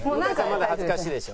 まだ恥ずかしいでしょ？」。